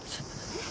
えっ？